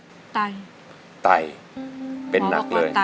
แล้วตอนนี้พี่พากลับไปในสามีออกจากโรงพยาบาลแล้วแล้วตอนนี้จะมาถ่ายรายการ